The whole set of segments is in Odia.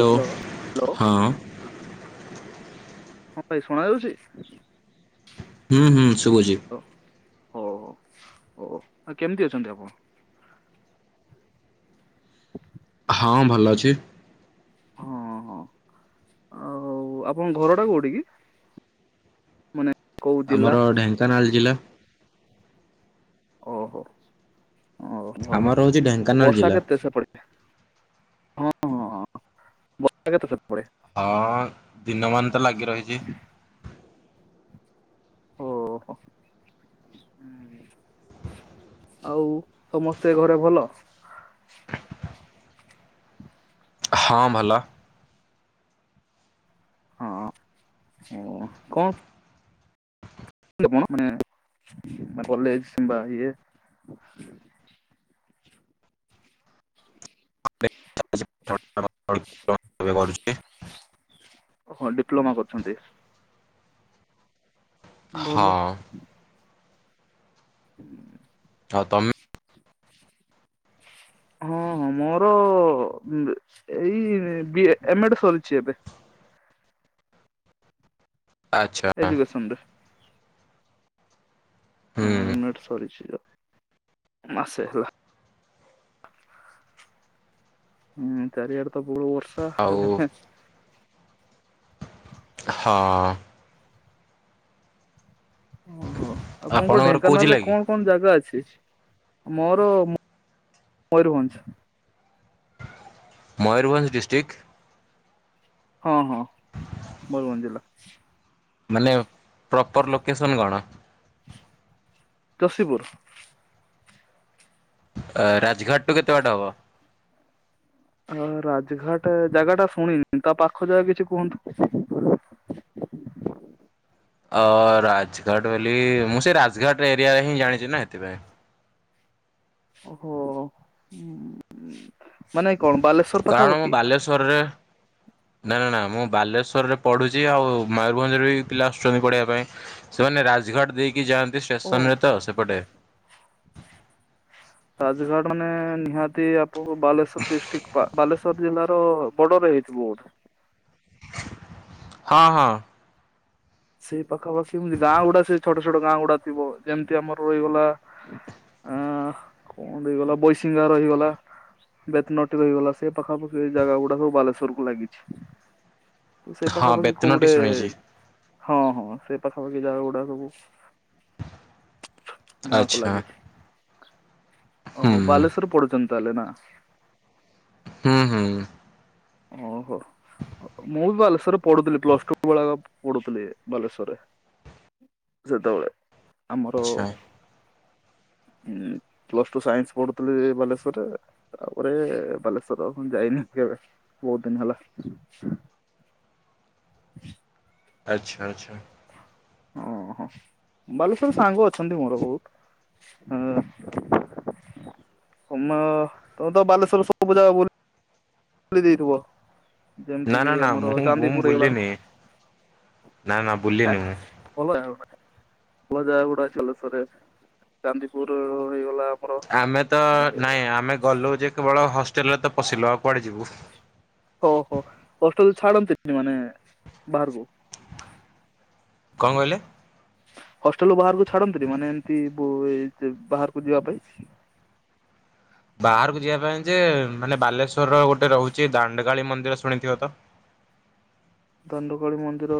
ହ୍ୟାଲୋ ହଁ। ହଁ ଭାଇ ଶୁଣା ଯାଉଛି? ହୁଁ ହୁଁ ଶୁଭୂଚି। ହଉ ହଉ ହଉ ଓ ଆଉ କେମିତି ଅଛନ୍ତି ଆପଣ? ହଁ ଭଲ ଅଛି। ହଁ ହଁ ଆଉ ଆପଣଙ୍କ ଘର ଟା କୋଉଠି କି? ମାନେ କୋଉ ଜିଲ୍ଲା? ଆମର ଢେଙ୍କାନାଳ ଜିଲ୍ଲା। ଓହୋ ଓ ଭଲ ଆମର ହଉଛି ଢେଙ୍କାନାଳ ବର୍ଷା ଜିଲ୍ଲା। କେତେ ସେପଟେ? ହଁ ହଁ ହଁ ବର୍ଷା କେତେ ସେପଟେ? ହଁ ଦିନ ମାନତ ଲାଗି ରହିଛି। ଓହୋ। ଆଉ ସମସ୍ତେ ଘରେ ଭଲ। ହଁ ଭଲ। ହଁ କଣ? [unintelligible] ମାନେ କଲେଜ କିମ୍ବା ଇଏ। ଚା କରୁଛି। ହଁ ଡିପ୍ଲୋମା କରୁଛନ୍ତି। ହଁ ଭଲ। ଆଉ ତମେ? ହଁ ହଁ ମୋର ଏଇ ଏମ ଏଡ ସରିଛି ଏବେ। ଆଚ୍ଛା। ଏଜୁକେସନ ରେ। ହୁଁ ହଲମେଟ ସରିଛି ଯ ମାସେ ହେଲା। ହୁଁ ଚାରଆଡ଼ ତ ବହୁତ ଆଉ ବର୍ଷା। ହଁ ଓହୋ ଆପଣଙ୍କ ଆପଣଙ୍କର କୋଉ ଜିଲ୍ଲା ଢେଙ୍କାନାଳରେ କି କଣ କଣ ଜାଗା ଅଛି ମୋର ମୟରଭଞ୍ଜ। ମୟୂରଭଞ୍ ଡିଷ୍ଟ୍ରିକ୍? ହଁ ହଁ ମୟରଭଞ୍ ଜିଲ୍ଲା। ମାନେ ପ୍ରପର ଲୋକେସନ୍ କଣ? ଜୋଷୀପୁର ରାଜଘାଟ ଠୁ କେତେ ବାଟେ ହେବ? ହ ରାଜଘାଟ ଜାଗା ଟା ଶୁଣିନି ତା ପାଖ ଯାଗ କିଛି କୁହନ୍ତୁ? ଅ ରାଜଘାଟ ବୋଲି ମୁଁ ସେ ରାଜଘାଟ ଏରିଆରେ ହିଁ ଜାଣିଛି ନା ସେଥିପାଇଁ। ଓହୋ ମାନେ କଣ ବାଲେଶ୍ଵର କାରଣ ମୁଁ ପାଖାପାଖି ବାଲେଶ୍ୱରରେ ନା ନା ନା ମୁଁ ବାଲେଶ୍ୱରରେ ପଢ଼ୁଛି ଆଉ ମୟୂରଭଞ୍ଜରେ ବି ପିଲା ଆସୁଛନ୍ତି ପଢ଼ିବା ପାଇଁ। ସେମାନେ ରାଜଘାଟ ଦେଇକି ଯାଆନ୍ତି ଓ ଷ୍ଟେସନ ରେ ତ ସେପଟେ। ରାଜଘାଟ ମାନେ ନିହାତି ଆପଣ ବାଲେଶ୍ୱର ଡିଷ୍ଟ୍ରିକ୍ଟ ବାଲେଶ୍ଵର ଜିଲ୍ଲାର ବର୍ଡରରେ ହେଇଥିବ ବୋ ହଁ ହଁ। ସେଇ ପାଖାପାଖି ଏମିତି ଗାଁ ଗୁଡା ସେ ଛୋଟ ଛୋଟ ଗାଁ ଗୁଡା ଥିବ ଯେମିତି ଆମର ରହିଗଲା। ଆଁ କଣ ଦେଇଗଲା ବୈଶଙ୍ଗ ରହିଗଲା। ବେତନଟି ରହିଗଲା ସେ ପାଖାପାଖି ଜାଗା ଗୁଡା ସବୁ ବାଲେଶ୍ୱରକୁୁ ଲାଗିଛି। ତୁ ସେଇ ହଁ ପାଖାପାଖି ବେତନଟି କୋଉଟେ ଶୁଣିଛି ହଁ ହଁ ସେ ପାଖାପାଖି ଯାହା ଗୁଡା ସବୁ ନାଁକୁ ଆଚ୍ଛା ଲାଗିଛି। ହୁଁ ଓହୋ ବାଲେଶ୍ୱରରେ ପଢୁଛନ୍ତି ତାହେଲେ ନା। ହୁଁ ହୁଁ। ଓହୋ। ମୁଁ ବି ବାଲେଶ୍ୱରରେ ପଢୁଥିଲି ପ୍ଲସ ଟୁ ଭେ ପଢୁଥିଲି ବାଲେଶ୍ଵରରେ। ସେତେବେଳେ ଆମର ଆଚ୍ଛା। ପ୍ଲସ ଟୁ ସାଇନ୍ସ ପଢୁଥିଲି ବାଲେଶ୍ୱରରେ। ତାପରେ ବାଲେଶ୍ଵର ଯାଇନି କେବେ ବହୁତ ଦିନ ହେଲା। ଆଚ୍ଛା ଆଚ୍ଛା। ଓହୋ ବାଲେଶ୍ୱର୍ ର ସାଙ୍ଗ ଅଛନ୍ତି ମୋର ବହୁତ। ହଁ ତମ ତମ ତ ବାଲେଶ୍ର ସବୁ ପୂ ଯା ବୁ ଖଲି ଦେଇଥିବ ନା ଯେମିତି ନା କିି ନା ଆମର ମୁଁ ମୁଁ ଚାନ୍ଦିପୁର ହେଇଗଲା। ବୁଲିନି ନା ନା ହଁ ବୁଲିନି ମୁଁ। ଭଲ ଜାଗା ଗୋଡା ଭଲ ଜାଗା ଗୁଡା ଜଲେଶ୍ଵରରେ ଚାନ୍ଦିପୁର ହେଇଗଲା। ଆମର ଆମେ ତ ନାଇଁ ଆମେ ଗଲୁ ଯେ କେବଳ ହଷ୍ଟେଲରେ ତ ପଶିଲୁ ଆଉ କୁଆଡେ ଯିବୁ। ଓ ହୋ ହଷ୍ଟେଲ୍ ଛାଡନ୍ତିନି ମାନେ ବାହାରକୁ? କଣ କହିଲେ? ହଷ୍ଟେଲ୍ ବାହାରକୁ ଛାଡନ୍ତିନି ମାନେ ଏମତି ହୁଏ ବାହାରକୁ ଯିବା ପାଇଁ? ବାହାରକୁ ଯିବା ପାଇଁ ଯେ ମାନେ ବାଲେଶ୍ଵର୍ ର ଗୋଟେ ରହୁଛି ଦାଣ୍ଡକାଳୀ ମନ୍ଦିର ଶୁଣିଥିବେ ତ? ଦଣ୍ଡକୋଳି ମନ୍ଦିର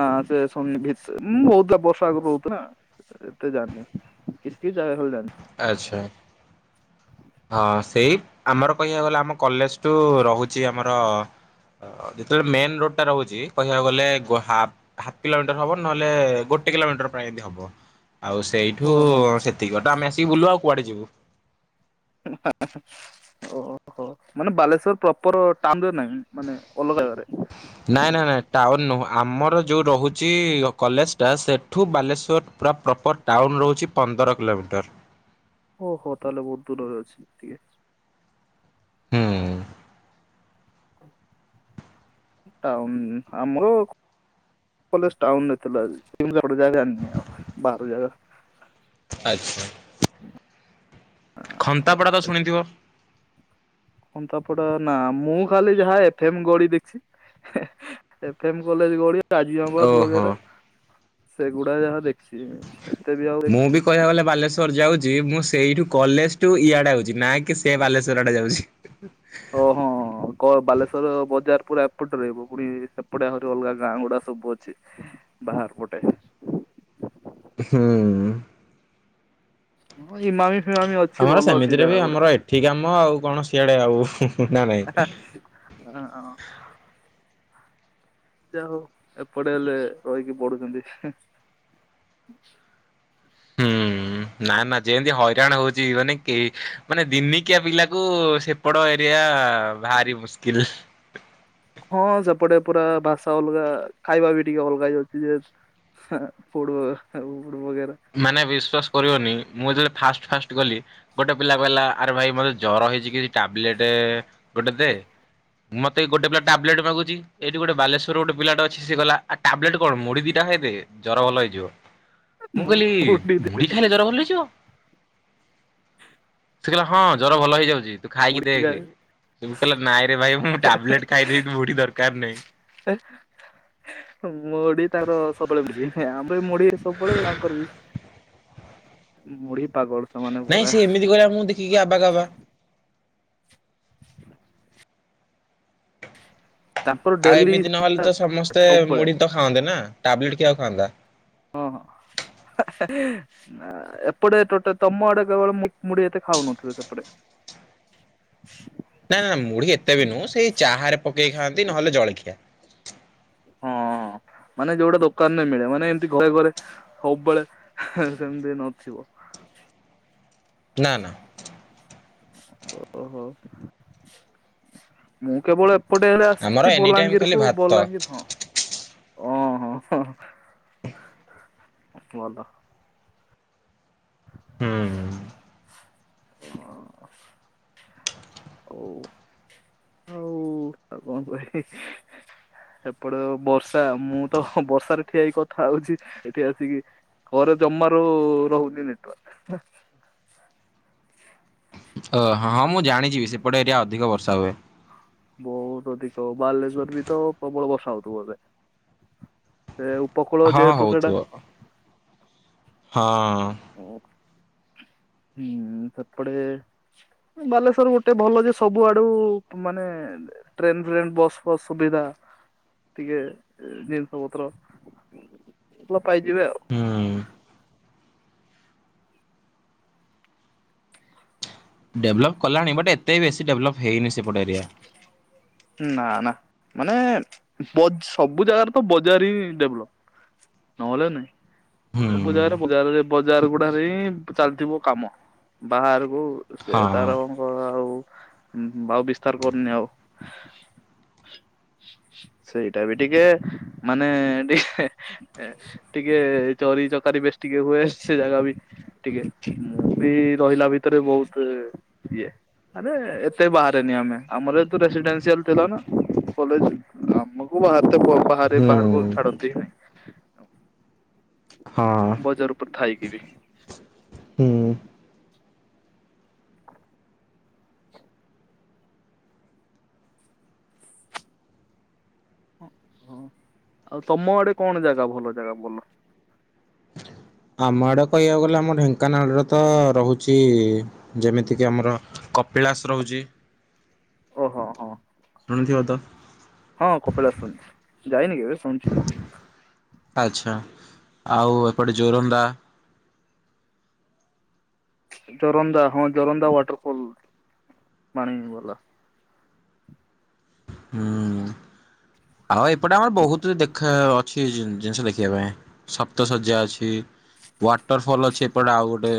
ନା ସେ ସୋନି ଭିତ୍ ବୋହୁ ବର୍ଷ ଆଗରୁ ରହୁନା। ଏତେ ଜାନି କିସ୍ କି ଜାଗା ହେଲେ ଜାଣିନ୍ତି। ଆଚ୍ଛା। ହଁ ସେଇ ଆମର କହିବାକୁ ଗଲେ ଆମ କଲେଜଠୁ ରହୁଛି ଆମର। ଯେତେବେଳେ ମେନ୍ ରୋଡ୍ ଟା ରହୁଛି କହିବାକୁ ଗଲେ ଗୁହାପ୍ ହାଫ୍ କିଲୋମିଟର ହବ ନହେଲେ ଗୋଟେ କିଲୋମିଟର ପ୍ରାଏ ହେଇଥିବ। ଆଉ ସେଇଠୁ ଓହୋ ସେତିକି ବାଟ ଆମେ ଆସିକି ବୁଲୁ ଆଉ କୁଆଡେ ଯିବୁ। ହାଁ- ହାଁ। ଓହୋ ମାନେ ବାଲେଶ୍ୱର ପ୍ରପର୍ ଟାଉନ୍ ରେ ନାହିଁ ମାନେ ଅଲଗା ଜାଗାରେ। ନାଇଁ- ନାଇଁ -ନାଇଁ ଟାଉନ୍ ନୁହେଁ, ଆମର ଯୋଉଁ ରହୁଛି କଲେଜ୍ ଟା ସେଠୁ ବାଲେଶ୍ୱର ପୁରା ପ୍ରପର୍ ଟାଉନ୍ ରହୁଛି ପନ୍ଦର କିଲୋମିଟର୍। ଓ ହୋ ତାହଲେ ବୋହୁତ୍ ଦୂରରେ ଅଛି ଟିକେ। ହୁଁ। ଟାଉନ୍ ଆମର କଲେଜ୍ ଟାଉନ୍ ରେ ଥିଲା। [inaudible] ବାହାର ଜାଗ ଆଚ୍ଛ୍ [inaudible] ଖନ୍ତାପଡ଼ା ତ ଶୁଣିଥିବ? ଘଣ୍ଟପଡା ନା ମୁଁ ଖାଲି ଯାହା ଏଫ୍ ଏମ୍ ଗଳି ଦେଖଛି। ଏଫ ଏମ୍ କଲେଜ ଗଳି କାଜିଆବାଦ ବଗେରା ଓହୋ। ସେଗୁଡା ଯାହା ଦେଖିଛି। ଏତେ ବି ଆଉ ମୁଁ ବି ଦେଖିନି କହିବାକୁ ଗଲେ ବାଲେଶ୍ୱର ଯାଉଛି, ମୁଁ ସେଇଠୁ କଲେଜ୍ ଟୁ ଇଆଡେ ଯାଉଛି। ନାଁ କି ସେ ବାଲେଶ୍ଵର ଆଡେ ଯାଉଛି। ଓ ହଁ -ହଁ- ହଁ। କ ବାଲେଶ୍ୱର ବଜାର ପୁରା ଏପଟରେ ରହିବ ପୁଣି ସେପଟେ ଆହୁରି ଅଲଗା ଗାଁ ଗୁଡା ସବୁ ଅଛି। ବାହାର ପଟେ। ହୁଁ। ଇଁ ମାମି ଫମାମି ଅଛି। ଆମର ଭଲ ଅଛି ସେମିତିରେ ଜାଗା ବି ଗୁଡା ଆମର ଏଠି କାମ ଆଉ କଣ ସିଆଡେ ଆଉ ନା ନାହିଁ। ହଁ। ଯାହା ହୋଉ ଏପଟେ ହେଲେ ରହିକି ପଢୁଛନ୍ତି। ହୁଁ ଉଁ- ଉଁ ନା ନା ଯେମିତି ହଇରାଣ ହୋଉଚି, ମାନେ କେ ମାନେ ଦିନିକିଆ ପିଲାକୁ ସେ ସେପଡ଼ ଏରିଆ ଭାରି ମୁସ୍କିଲ୍। ହଁ ସେପଟେ ପୁରା ଭାଷା ଅଲଗା ଖାଇବା ବି ଟିକେ ଅଲଗା ହେଇଯାଉଛି ଯେ ହ ପୋଡ ବେରା। ମାନେ ବିଶ୍ୱାସ କରିବନି ମୁଁ ଯେବେଳେ ଫାଷ୍ଟ୍ ଫାଷ୍ଟ୍ ଗଲି। ଗୋଟେ ପିଲା କହିଲା ଆରେ ଭାଇ ମତେ ଜର ହେଇଛି କିଛି ଟାବ୍ଲେଟ୍ ଗୋଟେ ଦେ। ମତେ ଗୋଟେ ପିଲା ଟାବ୍ଲେଟ୍ ମାଗୁଛି। ଏଇଠି ଗୋଟେ ବାଲେଶ୍ୱର୍ ଗୋଟେ ପିଲା ଅଛି ସେ କହିଲା ଆଉ ଟାବ୍ଲେଟ୍ କଣ ମୁଡି ଦିଟା ଖାଇଦେ ଜର ଭଲ ହେଇଯିବ। ମୁଁ କହିଲି? ମୁଢି ମୁଢି ଖାଇଲେ ଜର ଭଲ ହେଇଯିବ? ସେ କହିଲା ହଁ ଜର ଭଲ ହେଇଯାଉଛି। ତୁ ଖାଇକି ମୁଢି ଦେଖେ। ଖାଏ [unintelligible] ନାଇଁ ରେ ଭାଇ ମୁଁ ଟାବଲେଟ୍ ଖାଇଦେବି। ତୋ ମୁଢି ଦରକାର ନାହିଁ। ମଢ ତାଙ୍କର ସବୁବେଳେ ମି ଆମର ଏ ମଢ [unintelligible] ସବୁବେଳେ [unintelligible] ତାଙ୍କର ବି ମୁଢି ପାଗଳ ସେମାନେ ନାଇଁ ପୁରା ସେ ଏମିତି କରିବା ମୁଁ ଦେଖିକି ଆବା କାବା। [inaudible] ତାଙ୍କର ଆଉ ଡେଲି ଏମିତି ନହେଲେ ତ ସମସ୍ତେ ସବୁବେଳେ ମୁଢୀ ତ ଖାଆନ୍ତେ ନା। ଟାବଲେଟ୍ ଆଉ କିଏ ଖାଉନାହାନ୍ତି। ହଁ, ହୋ, ନା ଏପଟେ ଟୋଟ ତମ ଆଡେ କେବଳ ମୁଢି ଏତେ ଖାଉନଥିଲେ ସେପଟେ? [inaudible] ନା, ନା, ମୁଢି ଏତେ ବି ନୁହଁ। ସେଇ ଚାହାରେ ପକେଇ ଖାଆନ୍ତି। ନହେଲେ ଜଳିଖିଆ। ହଁ। ମାନେ ଯୋଉଟା ଦୋକାନରେ ମିଳେ। ମାନେ ଏମତି ଘରେ ଘରେ ସବୁବେଳେ ସେମିତି ନଥିବ? ନା, ନା। ଓହୋ। ମୁଁ କେବଳ ଏପଟେ ହେଲେ ଆମର ଆସିଛି। ଏନି ଟାଇମ ବଲାଙ୍ଗୀର ଖାଲି କୁ, ଭାତ ବଲାଙ୍ଗୀର ନୁହଁ। ଓ ହ ଭଲ [unintelligible] ହ ହୁଁ। [unintelligible] ହଉ ହଉ ଆଉ କଣ କହିବ [unintelligible] ସେପଟେ ଯୋଉ ବର୍ଷା। ମୁଁ ତ ବର୍ଷାରେ ଠିଆ ହେଇ କି କଥା ହଉଛି ଏଠି ଆସିକି। ଘରେ ଜମାରୁ ରହୁନି ନେଟୱର୍କ। ଓ, ହଁ, ହଁ, ମୁଁ ଜାଣିଯିବି ସେପଟେ ଏରିଆ ଅଧିକ ବର୍ଷା ହୁଏ। ବହୁତ ଅଧିକ। ବାଲେଶ୍ଵରରେ ବି ତ ପ୍ରବଳ ବର୍ଷା ହଉଥିବ ବୋଧେ। ସେ ଉପକୂଳ ହଁ ଯେହେତୁ ସେଇଟା। ହଉଥିବ ହଁ। ଓ [unintelligible] ହୁଁ। ସେପଟେ ବାଲେଶ୍ୱର ଗୋଟେ ଭଲ ଯେ। ସବୁ ଆଡୁ ମାନେ ଟ୍ରେନ ଫ୍ରେନ୍, ବସ୍ ଫସ୍, ସୁବିଧା ଟିକେ ଜିନିଷ ପତ୍ର। [unintelligible] ପାଇଯିବେ ଆଉ। ହୁଁ। ଡେଭଲପ୍ କଲାଣି ବଟ ଏତେ ବେଶୀ ଡେଭଲପ୍ ହେଇନି ସେପଟେ ଏରିଆ। ନା, ନା ମାନେ ସବୁ ଜାଗାରେ ତ ବଜାର ହିଁ ଡେଭଲପ୍ ନହେଲେ ନାଇଁ। ହୁଁ ସବୁ ଜାଗାରେ ବଜାରରେ, ବଜାର ଗୁଡାରେ ହିଁ ଚାଲିଥିବ କାମ। ବାହାରକୁ ସେ ହଁ। ତାରଙ୍କ ଆଉ ବାଉ ବିସ୍ତାର କରନି ଆଉ। ଲ [unintelligible] ସେଇଟା ବି ଟିକେ, ମାନେ ଟିକେ ଏ ଟିକେ ଚୋରି ଚକାରି ବେଶୀ ଟିକେ ହୁଏ। ସେ ଜାଗା ବି ଟିକେ। ମୁଁ ବି ରହିଲା ଭିତରେ ବହୁତ ଇଏ ମାନେ ଏତେ ବାହାରେନି ଆମେ। ଆମର ରେସିଡେନ୍ସିଆଲ ଥିଲା ନା କଲେଜ। ଆମକୁ ବା ବାହାରେ, ହୁଁ ବାହାରକୁ ଛାଡ଼ନ୍ତି ନାହିଁ। ହଁ ବଜାର ଉପରେ ଥାଇକି ବି। ହୁଁ। [unintelligible] ହଁ ଆଉ ତମ ଆଡେ କଣ ଜାଗା ଭଲ ଜାଗା ଭଲ? ଆମ ଆଡ଼େ କହିବାକୁ ଗଲେ ଆମ ଢେଙ୍କାନାଳରେ ତ ରହୁଛି ଯେମିତିକି ଆମର କପିଳାସ ରହୁଚି। ଓହୋ ହଁ ହଁ। ସୁଣିଥିବତ? ହଁ କପିଳାସ ଶୁଣିଚି ଯାଇନି କେବେ ଶୁଣିଚି। ଆଚ୍ଛା ଆଉ ଏପଟେ ଜୋରନ୍ଦା। ଜୋରନ୍ଦା ହଁ ଜୋରନ୍ଦା ୱାଟରଫଲ ପାଣି ବାଲା। ହୁଁ ଆଉ ଏପଟେ ଆମର ବହୁତୁ ଦେଖା ଅଛି ଜିନିଷ ଦେଖିବା ପାଇଁ। ସପ୍ତ ଶଯ୍ୟା ଅଛି ୱାଟର ଫଲ୍ ଅଛି ଏପଟେ ଆଉ ଗୋଟେ।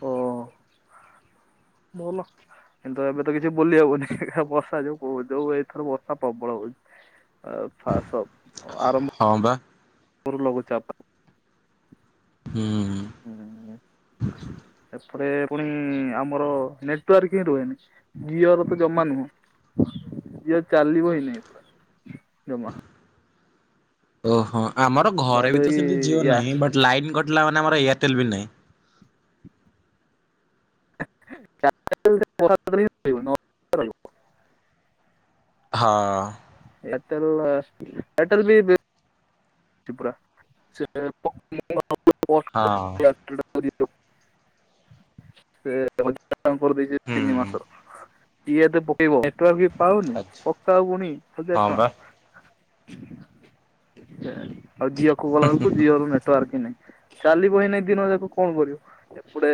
ଓ। ବୋଲ। କିନ୍ତୁ ଏବେ ତ କିଛି ବୁଲି ହବନି ବର୍ଷା ଯୋଉ କୋହୁ ଯୋଉ ଏଥର ବର୍ଷା ପ୍ରବଳ ହୋଉଚି। ଅଉ ଫାସ୍ଟ ଆରମ୍ଭ। ହଁ ବା। ଗୁରୁ ଲଘୁ ଚାପ। ହୁଁ। ହୁଁଁ ହୁଁ। ଏପଟେ ପୁଣି ଆମର ନେଟୱାର୍କ ହିଁ ରୁହେନି। ଜିଓର ତ ଜମା ନୁହଁ ଜିଓ ଚାଲିବ ହିଁ ନହିଁ ପୁରା ଜମା। ଓହୋ ଆମର ଘରେ ବାଧ୍ୟ ବି ତ ହେଇକି ସେମିତି ଜିଓ ୟା ନାହିଁ ବଟ୍ ଲାଇନ କଟିଲା ମାନେ ଆମର ଏୟାରଟେଲେ ବି ନାହିଁ। ଚାରିଟା ବୋଳୁକୁ ଟିକେ ପଢ଼ା କରିବେ। ହଁ। ଏୟାଟେଲ୍ ର ଏୟାରଟେଲ୍ ବିବେ ସେପୁରା [inaudible] ହଁ। [unintelligible] ସେ [unintelligible] କରଦେଇଚି ତିନି ହୁଁ ମାସ ର। କିଏ ଏତେ ପକେଇବ। ନେଟୱର୍କ ବି ପାଉନି ଆଛା ପକ୍କା ହୋଉ ପୁଣି ହଜାରେ ହଁ ବା ଟଙ୍କା। ଆଉ ଜିଓ କକୁ ଗଲାକୁ ଜିଓ ର ନେଟୱାର୍କ ହଁ ନାଇଁ ଚାଲିବ ଏଇନା ଦିନ ଯାକ କଣ କରିବ। ଏପଟେ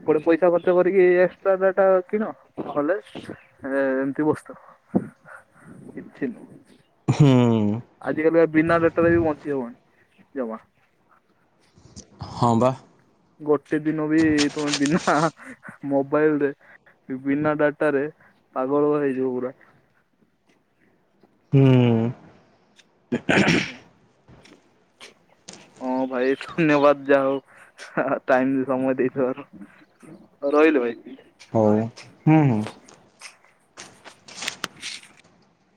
ଏପଟେ ପଇସା ଖର୍ଚ୍ଚ କରିକି ଏକ୍ସଟ୍ରା ଡାଟା କିଣ ନ ହେଲେ ମାନେ ଏ ଏମିତି ବୁସ୍ଟର କିଛି ନୁହଁ। ହୁଁ। ଆଜିକାଲି ବିନା ନେଟୱର୍କ ରେ ବି ବହଞ୍ଚି ହବନ ଜମା। ହଁ ବା। ଗୋଟେ ଦିନ ବି ତମେ ବିନା ମୋବାଇଲରେ ବିନା ଡାଟାରେ ପାଗଳ ହେଇଯିବ ପୁରା। ହୁଁ। ହଁ ଭାଇ ଧନ୍ୟବାଦ ଯା ହୋଉ ଟାଇମ୍ ବି ସମୟ ଦେଇଥିବାରୁ। ରୋହିଲୁ ଭାଇ। ହଉ ହୁଁ ହୁଁ।